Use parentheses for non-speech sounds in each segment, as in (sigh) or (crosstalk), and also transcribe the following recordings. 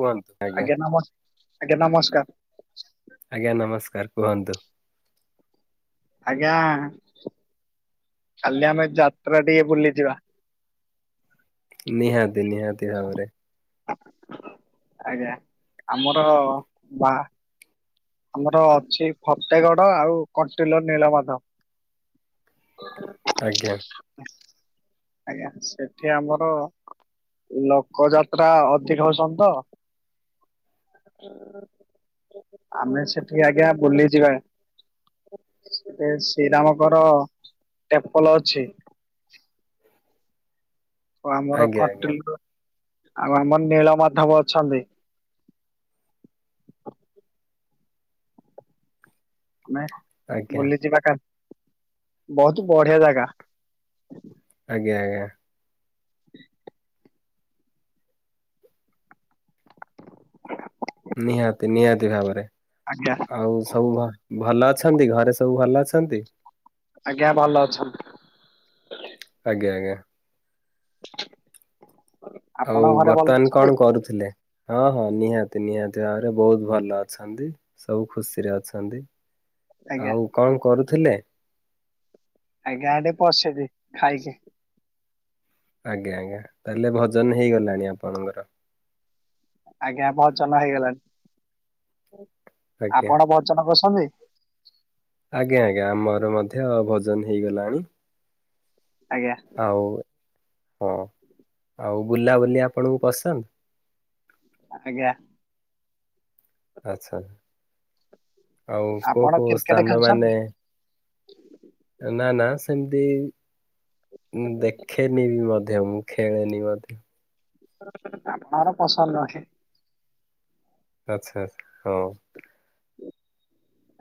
କୁହନ୍ତୁ ଆଜ୍ଞା। ଆଜ୍ଞା ନମସ୍କାର। ଆଜ୍ଞା ନମସ୍କାର କୁହନ୍ତୁ। ଆଜ୍ଞା କାଲି ଆମେ ଯାତ୍ରା ଟିକେ ବୁଲିଯିବା। ନିହାତି ନିହାତି ଭାବରେ। ଆଜ୍ଞା ଆମର ବାହା ଆମର ଅଛି ଫତେଗଡ ଆଉ କଣ୍ଟିଲୋ ନୀଳମାଧବ। ଆଜ୍ଞା। ଆଜ୍ଞା ସେଠି ଆମର ଲୋକ ଯାତ୍ରା ଅଧିକ ହଉଚନ୍ତି ତ। ଆମେ ସେଠିକି ଆଜ୍ଞା ବୁଲି ଯିବା। ସେ ଶ୍ରୀରାମଙ୍କର ଟେମ୍ପଲ ଅଛି। ଆମର ଆଜ୍ଞା ଆଜ୍ଞା କଟିଲର ଆଉ ଆମର ନୀଳ ମାଧବ ଅଛନ୍ତି। ଆଜ୍ଞା ବୁଲିଯିବା (unintelligible) ବହୁତ ବଢିଆ ଜାଗା। ଆଜ୍ଞା ଆଜ୍ଞା। (inaudible) ନିହାତି ନିହାତି ଭାବରେ ଆଜ୍ଞା ଆଉ ସବୁ ଭ ଭଲ ଅଛନ୍ତି, ଘରେ ସବୁ ଭଲ ଅଛନ୍ତି। ଆଜ୍ଞା ଭଲ ଅଛନ୍ତି। ଆଜ୍ଞା ଆଜ୍ଞା। (inaudible) ଆଉ ଆପଣଙ୍କ ଘରେ ଭଲ ବର୍ତ୍ତମାନ ଅଛନ୍ତି କଣ କରୁଥିଲେ? ହଁ ହଁ ନିହାତି ନିହାତି। (unintelligible) ବହୁତ ଭଲ ଅଛନ୍ତି ସବୁ ଖୁସିରେ ଅଛନ୍ତି। ଆଜ୍ଞା। ଆଉ କଣ କରୁଥିଲେ? ଆଜ୍ଞା ଏଟି ପସିଦି ଖାଇକି। ଆଜ୍ଞା ଆଜ୍ଞା ତାହଲେ ଭଜନ ହେଇଗଲାଣି ଆପଣଙ୍କର। ଆଜ୍ଞା ଭଜନ ହେଇଗଲାଣି। ଆଜ୍ଞା। ଆପଣ ଭଜନ କରଛନ୍ତି? ଆଜ୍ଞା ଆଜ୍ଞା ଆମର ମଧ୍ୟ ଭଜନ ହେଇଗଲାଣି। ଆଜ୍ଞା। ଆଉ ହଁ ଆଉ ବୁଲାବୁଲି ଆପଣଙ୍କୁ ପସନ୍ଦ। ଆଜ୍ଞା। ଆଚ୍ଛା। ଆଉ କୋଉ ଆପଣ କୋଉ କ୍ରିକେଟ ସ୍ଥାନ ଖେଳୁଛନ୍ତି ମାନେ ନା ନା। ସେମିତି ଦେଖେନି ବି ମଧ୍ୟ ମୁଁ ଖେଳେନି ମଧ୍ୟ। (unintelligible) ଆଚ୍ଛା ହଁ। (inaudible)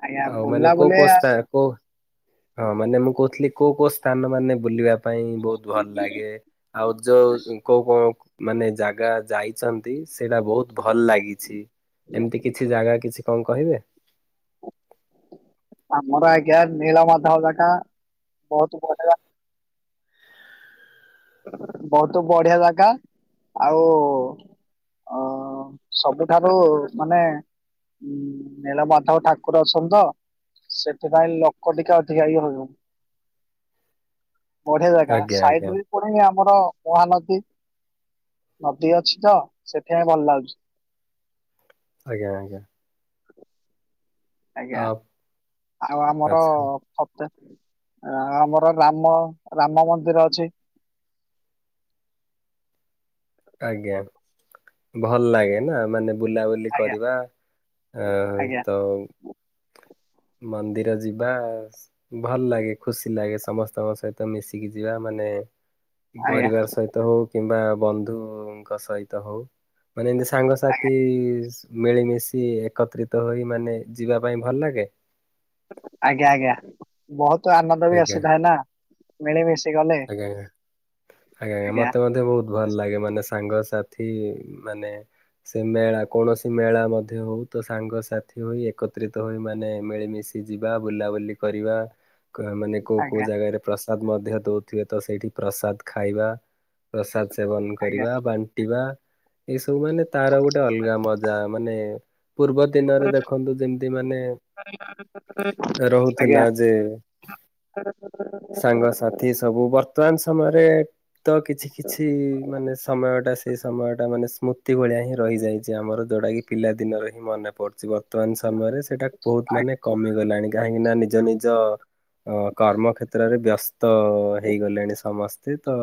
ଆଜ୍ଞା ଆଉ ମାନେ କୋଉ ବୁଲାବୁଲି କୋ ସ୍ଥା କୋଉ ହଁ ମାନେ ମୁଁ କହୁଥିଲି। କୋଉ କୋଉ ସ୍ଥାନ ମାନେ ବୁଲିବା ପାଇଁ ବୋହୁତ ଭଲ ଲାଗେ, ଆଉ ଯୋଉ କୋଉ କଉ ମାନେ ଜାଗା ଯାଇଛନ୍ତି ସେଇଟା ବୋହୁତ ଭଲ ଲାଗିଛି ଏମିତି କିଛି ଜାଗା କିଛି କଣ କହିବେ? ଆମର ଆଜ୍ଞା ନୀଳ ମାଧବ ଜାଗା ବହୁତ ବଢିଆ। ବହୁତ ବଢିଆ ଜାଗା ଆଉ ଅଁ ସବୁଠାରୁ ମାନେ ଉ ନୀଳମାଧବ ଠାକୁର ଅଛନ୍ତି ତ ସେଥିପାଇଁ ଲୋକ ଟିକେ ଅଧିକା ଇଏ ହଉଛନ୍ତି। ବଢିଆ ଜାଗା ଆଜ୍ଞା ସାଇଟ୍ ଆଜ୍ଞା ରେ ଠି ଆମର ମହାନଦୀ ନଦୀ ଅଛି ତ ସେଥିପାଇଁ ଭଲ ଲାଗୁଛି। ଆଜ୍ଞା ଆଜ୍ଞା। ଆଜ୍ଞା ଆ ଆଉ ଆମର ଆଚ୍ଛା ଖତ ଆ ଆମର ରାମ ରାମ ମନ୍ଦିର ଅଛି। ଆଜ୍ଞା ଭଲ ଲାଗେ ନା ମାନେ ବୁଲାବୁଲି ଆଜ୍ଞା କରିବା ଏଁ ଆଜ୍ଞା ତ ମନ୍ଦିର ଯିବା ଭଲ ଲାଗେ ଖୁସି ଲାଗେ ସମସ୍ତଙ୍କ ସହିତ ମିଶିକି ଯିବା ମାନେ ଏ ଆଜ୍ଞା ପରିବାର ସହିତ ହଉ କିମ୍ବା ବନ୍ଧୁଙ୍କ ସହିତ ହଉ ମାନେ ଏମିତି ସାଙ୍ଗସାଥି ମିଳିମିଶି ଏକତ୍ରିତ ହୋଇ ମାନେ ଯିବା ପାଇଁ ଭଲ ଲାଗେ? ଆଜ୍ଞା ଆଜ୍ଞା ବହୁତ ଆନନ୍ଦ ବି ଆଜ୍ଞା ଆସିଥାଏ ନା ମିଳିମିଶି କି ଗଲେ ଆଜ୍ଞା ଆଜ୍ଞା ଆଜ୍ଞା ମତେ ମଧ୍ୟ ବହୁତ ଭଲ ଲାଗେ ମାନେ ସାଙ୍ଗସଥି ମାନେ ସେ ମେଳା କୌଣସି ମେଳା ମଧ୍ୟ ହଉ ତ ସାଙ୍ଗସାଥି ହୋଇ ଏକତ୍ରିତ ହୋଇ ମାନେ ମିଳିମିଶି ଯିବା ବୁଲାବୁଲି କରିବା କ ମାନେ କେଉ କେଉଁ ଆଜ୍ଞା ଜାଗାରେ ପ୍ରସାଦ ମଧ୍ୟ ଦଉଥିବେ ତ ସେଇଠି ପ୍ରସାଦ ଖାଇବା। ପ୍ରସାଦ ସେବନ ଆଜ୍ଞା କରିବା ବାଣ୍ଟିବା ଏସବୁ ସବୁ ମାନେ ତାର ଗୋଟେ ଅଲଗା ମଜା ମାନେ ପୂର୍ବ ଦିନରେ ଦେଖନ୍ତୁ ଯେମିତି ମାନେ ରହୁଥିଲା ଆଜ୍ଞା। ଯେ ସାଙ୍ଗସାଥି ସବୁ ବର୍ତ୍ତମାନ ସମୟରେ ତ କିଛି କିଛି ମାନେ ସମୟଟା ସେ ସେଇ ସମୟଟା ମାନେ ସ୍ମୃତି ଭଳିଆ ହିଁ ରହିଯାଇଛି ଆମର ଯେଉଟା କିି ପିଲାଦିନରେ ହିଁ ମନେ ପଡ଼ୁଛି ବ ବର୍ତ୍ତମାନ ସମୟରେ ସେଇଟା ବହୁତ ଆ- ମାନେ କମିଗଲାଣି କାହିଁକିନା ନିଜ ନିଜ ଅ କର୍ମ କ୍ଷେତ୍ରରେ ବ୍ୟସ୍ତ ହେଇଗଲେଣି ସମସ୍ତେ ତ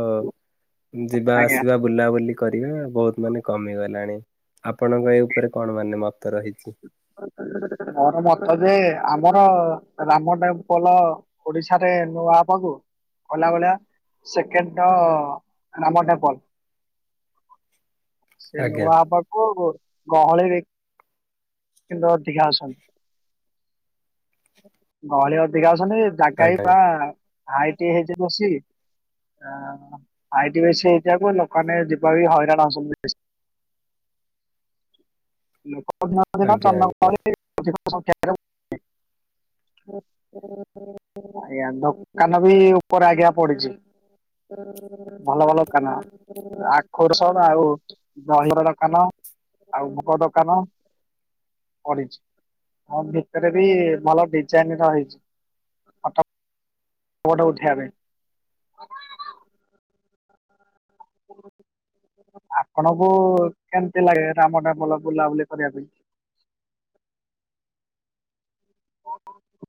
ଯିବା ଆଜ୍ଞା ଆସିବା ବୁଲାବୁଲି କରିବା ବହୁତ ମାନେ କମି ଗଲାଣି ଆପଣଙ୍କ ଏଇ ଉପରେ କଣ ମାନେ ମତ ରହିଛି? ମୋର ମତ ଯେ ଆମ ଆମର ରାମ ଟେମ୍ପଲ୍ ଓଡିଶାରେ ନୂଆ ପାକୁ ଗଲା ଭଳିଆ ସେକେଣ୍ଡ ନାମ ଟେମ୍ପଲ। ସେ ଆଜ୍ଞା ନୂଆ ହବାକୁ ଗହଳି କିନ୍ତୁ ଅଧିକା ଅଛନ୍ତି। ଗହଳି ଅଧିକା ଆସ ମାନେ ଜାଗା ବି ଆଜ୍ଞା ପା ଆଇଟି ହେଇଛି ବସିକି ଆଇଟି ବେଶୀ ହେଇଯିବାକୁ ଲୋକମାନେ ଯିବା ବି ହଇରାଣ ହଉଛନ୍ତି ବେଶି ଲୋକ ଦିନକୁ ଦିନ ଆଜ୍ଞା ଆଜ୍ଞା ଜନଗହଳି ଅଧିକ ସଂଖ୍ୟାରେ ହେଉଥିବେ। ଆଜ୍ଞା ଦୋକାନ ବି ଉପରେ ଆଜ୍ଞା ପଡିଛି। ଭଲ ଭଲ ଦୋକାନ ଆଖୁ ରସ ଆଉ ଦହିବରା ଦୋକାନ। ଆଉ ଭୋଗ ଦୋକାନ। ପଡିଛି। ଆଉ ଭିତରେ ବି ଭଲ ଡିଜାଇନ ର ହେଇଛି। ଫଟ ଫଟ ଉଠେଇବା ପାଇଁ। ଆ ଆପଣଙ୍କୁ କେମତି ଲାଗେ ରାମ ଟେମ୍ପଲ ବୁଲାବୁଲି କରିବା ପାଇଁ? (unintelligible)